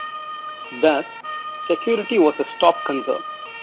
Thus, security was his top concern.